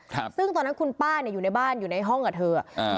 ครับซึ่งตอนนั้นคุณป้าเนี้ยอยู่ในบ้านอยู่ในห้องกับเธออ่า